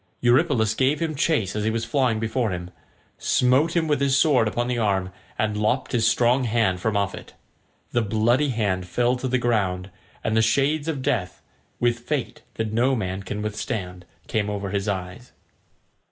Eurypylus gave him chase as he was flying before him, smote him with his sword upon the arm, and lopped his strong hand from off it. The bloody hand fell to the ground, and the shades of death, with fate that no man can withstand, came over his eyes.